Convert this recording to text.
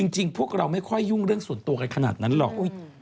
จริงพวกเราไม่ค่อยยุ่งเรื่องส่วนตัวกันขนาดนั้นหรอก